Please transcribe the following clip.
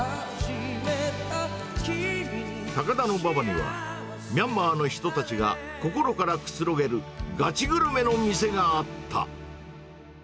高田馬場には、ミャンマーの人たちが、心からくつろげるガチグルメの店があった。